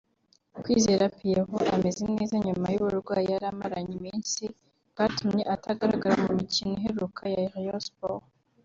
Kwizera Pierrot ameze neza nyuma y’uburwayi yari amaranye iminsi bwatumye atagaragara mu mikino iheruka ya Rayon Sports